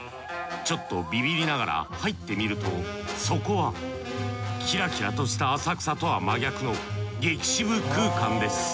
ちょっとビビりながら入ってみるとそこはキラキラとした浅草とは真逆の激渋空間です。